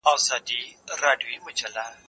دا کتابونه له هغو مهم دي،